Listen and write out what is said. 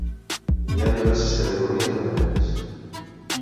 Hi ha diverses categories amb premis.